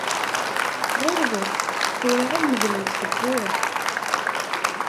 Ɣuṛwat, tura ad medlent teppura!